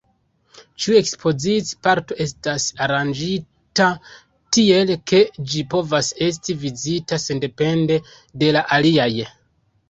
Ĉiu ekspozici-parto estas aranĝita tiel, ke ĝi povas esti vizitata sendepende de la aliaj.